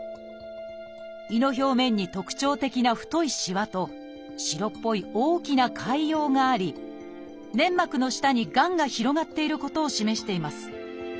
胃の表面に特徴的な太いしわと白っぽい大きな潰瘍があり粘膜の下にがんが広がっていることを示しています。